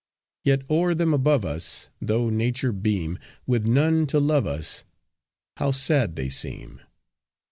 Yet o'er them above us, Though nature beam, With none to love us, How sad they seem!"